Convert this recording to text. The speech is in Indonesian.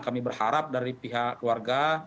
kami berharap dari pihak keluarga